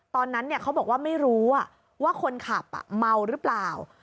ตอนนั้นเขาบอกว่าไม่รู้ว่าคนขับเมาหรือเปล่า